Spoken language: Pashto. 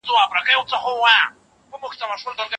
د ډیپلوماټیکو ناستو پر مهال وګړي نه دخیل کیږي.